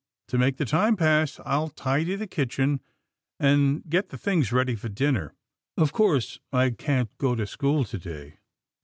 To make the time pass, I'll tidy the kitchen, and get the things ready for dinner. Of course, I can't go to school to day."